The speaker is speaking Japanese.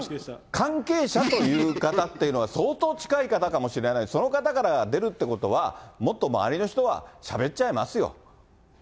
関係者という方は、相当近い方かもしれないし、その方から出るということは、もっと周りの人はしゃべっちゃいますよ。